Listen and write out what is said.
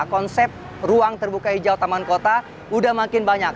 konsep ruang terbuka hijau taman kota udah makin banyak